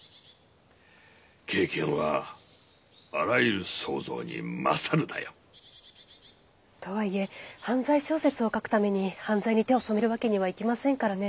「経験はあらゆる想像に勝る」だよ。とはいえ犯罪小説を書くために犯罪に手を染めるわけにはいきませんからね。